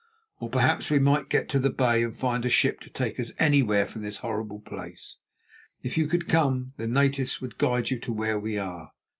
Or perhaps we might get to the Bay and find a ship to take us anywhere from this horrible place. If you could come, the natives would guide you to where we are.